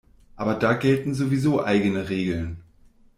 Aber da gelten sowieso eigene Regeln.